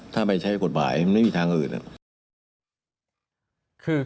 ถ้าไม่ใช้กฎหมายมันไม่มีทางอื่น